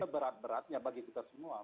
berat beratnya bagi kita semua